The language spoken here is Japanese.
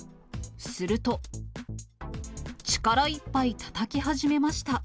すると、力いっぱいたたき始めました。